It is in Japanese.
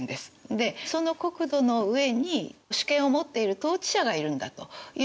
でその国土の上に主権を持っている統治者がいるんだということです。